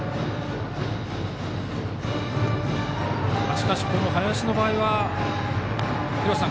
しかし、林の場合は廣瀬さん